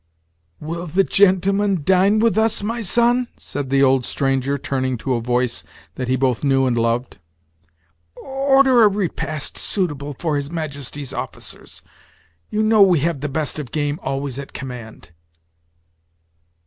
"Will the gentlemen dine with us, my son?" said the old stranger, turning to a voice that he both knew and loved. "Order a repast suitable for his Majesty's officers. You know we have the best of game always at command."